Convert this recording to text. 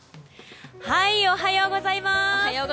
おはようございます。